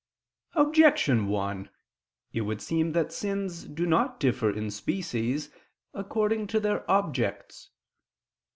Objection 1: It would seem that sins do not differ in species, according to their objects.